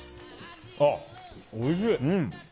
あ、おいしい！